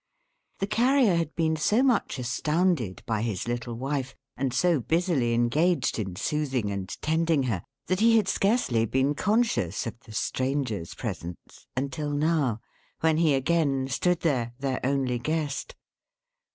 The Carrier had been so much astounded by his little wife, and so busily engaged in soothing and tending her, that he had scarcely been conscious of the Stranger's presence, until now, when he again stood there, their only guest.